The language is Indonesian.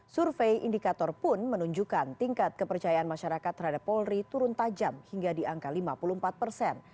survei indikator pun menunjukkan tingkat kepercayaan masyarakat terhadap polri turun tajam hingga di angka lima puluh empat persen